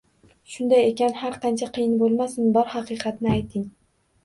Shunday ekan, har qancha qiyin bo‘lmasin, bor haqiqatni ayting.